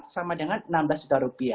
sama dengan rp enam belas juta